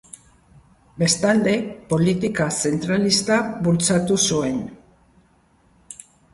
Bestalde, politika zentralista bultzatu zuen.